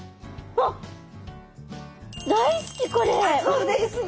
あそうですね。